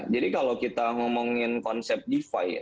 jadi kalau kita ngomongin konsep defi ya